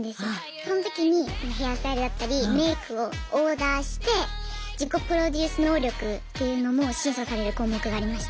その時にヘアスタイルだったりメイクをオーダーして自己プロデュース能力っていうのも審査される項目がありました。